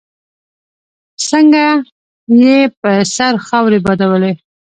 څنګه يې پر سر خاورې بادولې.